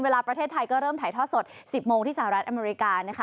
ประเทศไทยก็เริ่มถ่ายทอดสด๑๐โมงที่สหรัฐอเมริกานะคะ